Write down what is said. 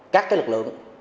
các lực lượng